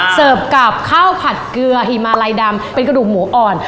เสิร์ฟกับข้าวผัดเกลือหิมาลัยดำเป็นกระดูกหมูอ่อน